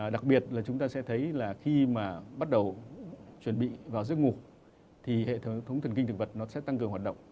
đặc biệt là chúng ta sẽ thấy là khi mà bắt đầu chuẩn bị vào giấc ngủ thì hệ thống thần kinh thực vật nó sẽ tăng cường hoạt động